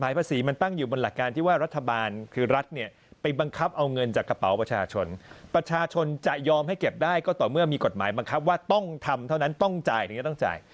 อย่างนั้นต้องจ่ายถึงจะต้องจ่าย